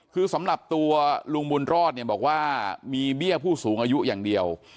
คือสำหรับตัวลุงบุญรอดเนี่ยบอกว่ามีเบี้ยผู้สูงอายุอย่างเดียว